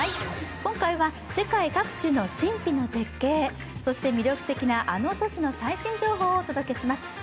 今回は世界各地の神秘の絶景、そして魅力的なあの都市の最新情報をお届けします。